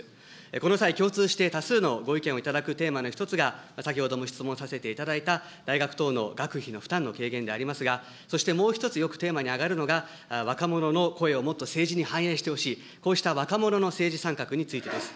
この際、共通して多数のご意見を頂くテーマの一つが、先ほども質問させていただいた、大学等の学費の負担の軽減でありますが、そしてもう一つよくテーマに上がるのが、若者の声をもっと政治に反映してほしい、こうした若者の政治参画についてです。